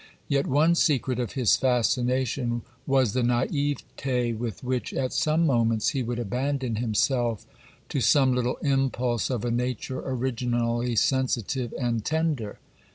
Yet one secret of his fascination was the naïveté with which at some moments he would abandon himself to some little impulse of a nature originally sensitive and tender.